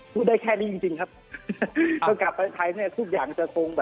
พูดได้แค่นี้จริงจริงครับถ้ากลับไปไทยเนี่ยทุกอย่างจะคงแบบ